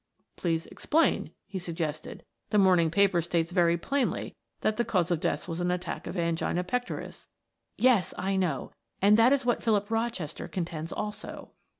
"Please explain," he suggested. "The morning paper states very plainly that the cause of death was an attack of angina pectoris." "Yes, I know, and that is what Philip Rochester contends also."